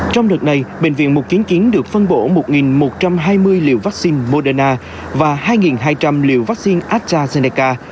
trong đợt này bệnh viện một trăm chín mươi chín được phân bổ một một trăm hai mươi liều vaccine moderna và hai hai trăm linh liều vaccine astrazeneca